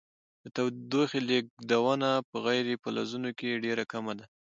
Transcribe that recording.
د تودوخې لیږدونه په غیر فلزونو کې ډیره کمه ده.